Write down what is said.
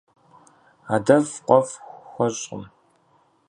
Адэфӏ къуэфӏ хуэщкъым.